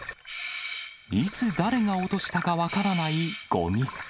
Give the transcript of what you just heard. いつ、だれが落としたか分からない、ごみ。